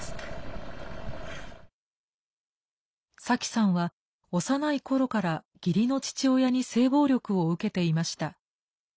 サキさんは幼い頃から義理の父親に性暴力を受けていました。